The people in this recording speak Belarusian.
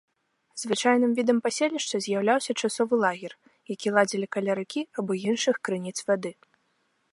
Звычайным відам паселішча з'яўляўся часовы лагер, які ладзілі каля ракі або іншых крыніц вады.